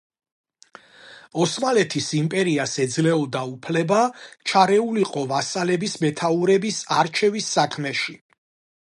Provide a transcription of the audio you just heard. ოსმალეთის იმპერიას ეძლეოდა უფლება ჩარეულიყო ვასალების მეთაურების არჩევის საქმეში.